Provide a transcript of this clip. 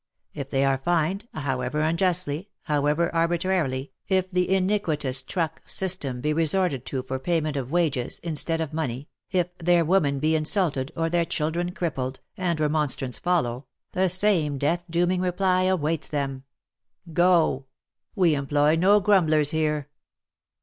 If they are fined, however unjustly, however ar bitrarily, if the iniquitous truck system be resorted to for payment of wages, instead of money, if their women be insulted, or their children crippled, and remonstrance follow, the same death dooming reply awaits them :" Go, We employ no grumblers here."